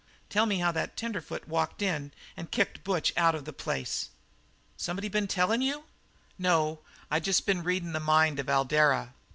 "Tell me how the tenderfoot walked up and kicked Butch out of the place." "Somebody been tellin' you?" "No; I just been readin' the mind of Eldara."